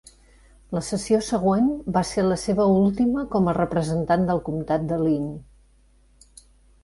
La sessió següent va ser la seva última com a representant del comtat de Linn.